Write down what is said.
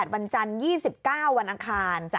๒๗๒๘วันจันทร์๒๙วันอาคาร